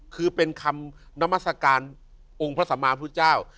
คือเป็นคำนามัศกาลองค์พระสัมมาพุทธเจ้า